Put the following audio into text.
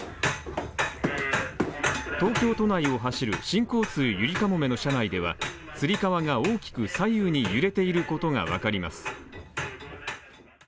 東京都内を走る新交通ゆりかもめの車内では、つり革が大きく左右に揺れていることがわかります。